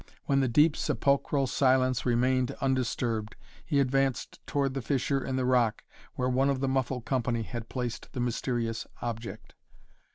When the deep sepulchral silence remained undisturbed, he advanced toward the fissure in the rock where one of the muffled company had placed the mysterious object.